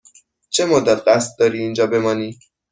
چه مدت قصد داری اینجا بمانی؟